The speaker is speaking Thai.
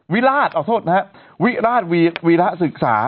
วิราชเอาโทษนะฮะวิราชวีระศึกษา